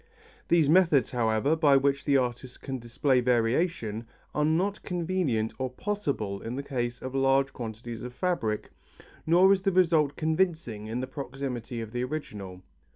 These methods, however, by which the artist can display variation, are not convenient or possible in the case of large quantities of fabric, nor is the result convincing in the proximity of the original.